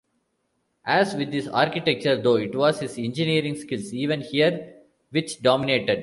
As with his architecture, though, it was his engineering skills even here which dominated.